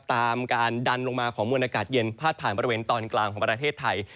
การดันลงมาของมวลอากาศเย็นพาดผ่านบริเวณตอนกลางของประเทศไทย